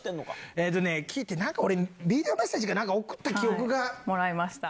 えっとね、聞いて、なんか俺、ビデオメッセージかなんか送った記憶が。もらいました。